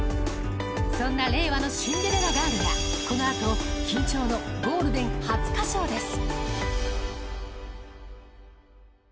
そんな令和のシンデレラガールがこの後、緊張のゴールデン初歌唱です。